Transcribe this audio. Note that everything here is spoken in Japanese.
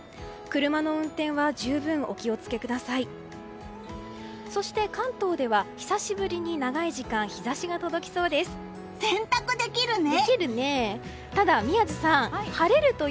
車の運転は十分、お気をつけください。